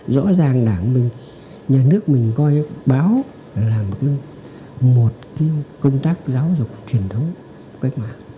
rõ ràng nhà nước mình coi báo là một công tác giáo dục truyền thống cách mạng